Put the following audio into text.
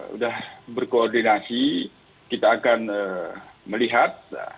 sudah berkoordinasi kita akan melihat